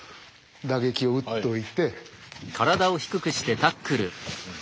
打撃を打っといて。